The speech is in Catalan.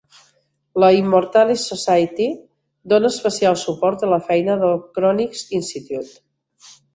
La Immortalist Society dóna especial suport a la feina del Cryonics Institute.